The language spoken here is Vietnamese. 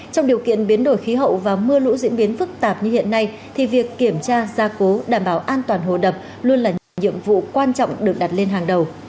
trong điều kiện biến đổi khí hậu và mưa lũ diễn biến phức tạp như hiện nay thì việc kiểm tra gia cố đảm bảo an toàn hồ đập luôn là nhiệm vụ quan trọng được đặt lên hàng đầu